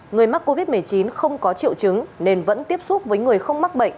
người mắc covid một mươi chín không có triệu chứng nên vẫn tiếp xúc với người không mắc bệnh